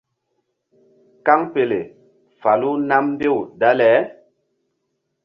Kaŋpele falu nam mbew dale.